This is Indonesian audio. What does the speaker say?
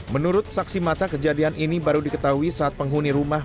menurut saksi mata kejadian ini baru diketahui saat penghuni rumah